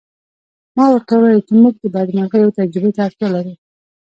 ما ورته وویل چې موږ د بدمرغیو تجربې ته اړتیا لرو